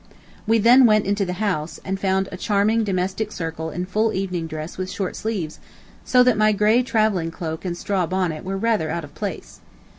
We then went into the house, and found a charming domestic circle in full evening dress with short sleeves, so that my gray travelling cloak and straw bonnet were rather out of place.